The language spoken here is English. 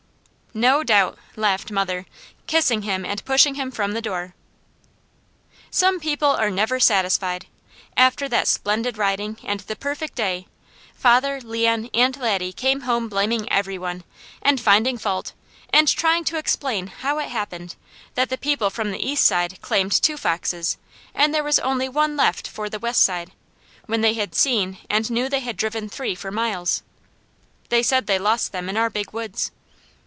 "No doubt!" laughed mother, kissing him and pushing him from the door. Some people are never satisfied. After that splendid riding and the perfect day, father, Leon, and Laddie came home blaming every one, and finding fault, and trying to explain how it happened, that the people from the east side claimed two foxes, and there was only one left for the west side, when they had seen and knew they had driven three for miles. They said they lost them in our Big Woods.